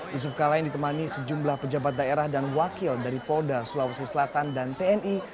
yusuf kala yang ditemani sejumlah pejabat daerah dan wakil dari polda sulawesi selatan dan tni